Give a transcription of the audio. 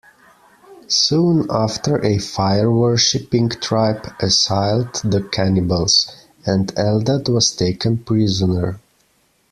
Soon after a fire-worshiping tribe assailed the cannibals, and Eldad was taken prisoner.